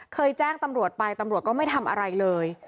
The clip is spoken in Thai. แจ้งตำรวจไปตำรวจก็ไม่ทำอะไรเลย